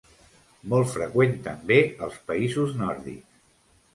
Molt freqüent també als països nòrdics.